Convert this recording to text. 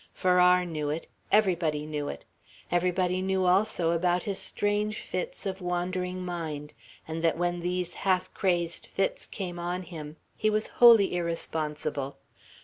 Farrar knew it; everybody knew it. Everybody knew, also, about his strange fits of wandering mind; and that when these half crazed fits came on him, he was wholly irresponsible.